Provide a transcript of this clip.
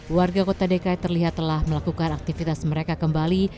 warga kota dki terlihat telah melakukan aktivitas mereka kembali